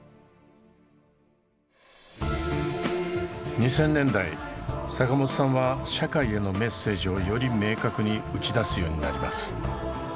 ２０００年代坂本さんは社会へのメッセージをより明確に打ち出すようになります。